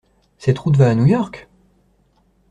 Cette route va à New York ?